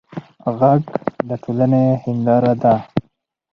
غږ د ټولنې هنداره ده